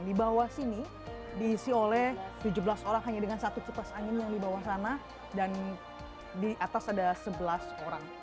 di bawah sini diisi oleh tujuh belas orang hanya dengan satu cupas angin yang di bawah sana dan di atas ada sebelas orang